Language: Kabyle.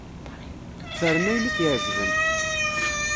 Fren ayen i k-iεeǧben.